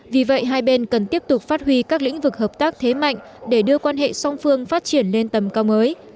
vì vậy hai bên cần tiếp tục phát huy các lĩnh vực hợp tác thế mạnh để đưa quan hệ song phương phát triển lên tầm cao mới